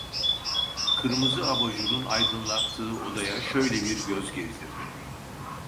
Kırmızı abajurun aydınlattığı odaya şöyle bir göz gezdirdi.